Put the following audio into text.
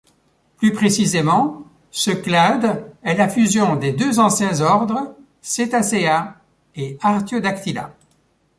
Plus précisément, ce clade est la fusion des deux anciens ordres Cetacea et Artiodactyla.